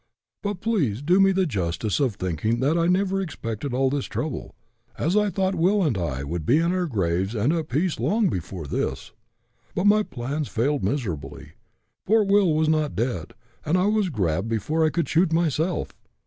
But please do me the justice of thinking that I never expected all this trouble, as I thought Will and I would be in our graves and at peace long before this. But my plans failed miserably. Poor Will was not dead, and I was grabbed before I could shoot myself.